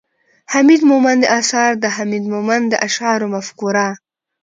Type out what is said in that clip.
،حميد مومند اثار، د حميد مومند د اشعارو مفکوره